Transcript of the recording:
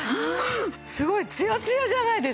すごいツヤツヤじゃないですか。